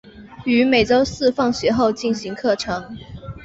于每周四放学后进行课程。